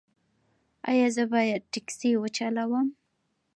ایا زه باید ټکسي وچلوم؟